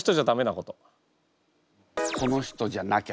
この人じゃなきゃ。